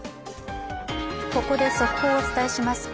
ここで速報をお伝えします。